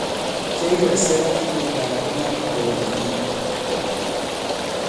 Cɛ ki làsɛla iɓoŋlàgàdi man nu dɔ̀lɔ̀bìbi ?